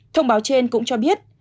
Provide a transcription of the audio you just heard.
thông báo trên cũng cho biết